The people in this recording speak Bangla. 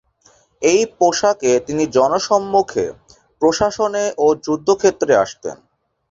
এই পোশাকে তিনি জনসম্মুখে, প্রশাসনে ও যুদ্ধক্ষেত্রে আসতেন।